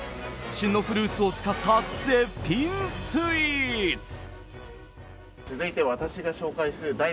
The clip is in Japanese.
旬のフルーツを使った絶品スイーツ。